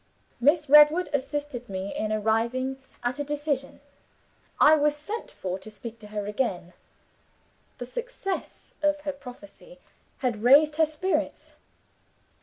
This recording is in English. Miss Redwood assisted me in arriving at a decision. I was sent for to speak to her again. The success of her prophecy had raised her spirits.